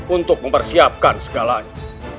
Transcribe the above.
untuk mempersiapkan segalanya